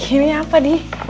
ini apa di